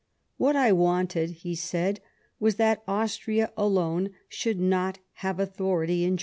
" What I wanted," he said, " was that The Condo Austria alone should not have authority minium in